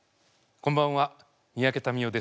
こんばんは三宅民夫です。